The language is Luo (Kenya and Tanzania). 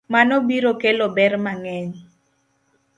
Mano biro kelo ber mang'eny